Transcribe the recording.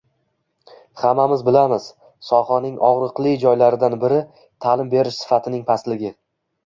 Hammamiz bilamiz, sohaning og‘riqli joylaridan biri – ta’lim berish sifatining pastligi.